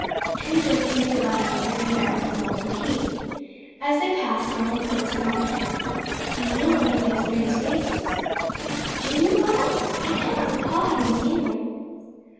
Two gentlemen got out and advanced along the quay. As they passed Ronald said to Malcolm: "I know one of those men's faces." "Do you, Ronald? I cannot recall having seen them."